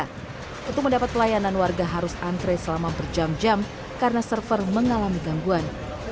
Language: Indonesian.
untuk mendapat pelayanan warga harus antre selama berjam jam karena server mengalami gangguan